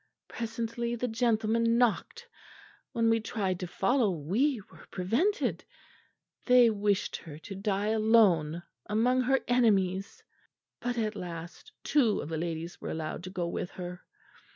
"Presently the gentlemen knocked. When we tried to follow we were prevented; they wished her to die alone among her enemies; but at last two of the ladies were allowed to go with her.